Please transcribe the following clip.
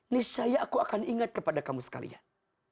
niscaya aku akan ingat kepada kamu sekalian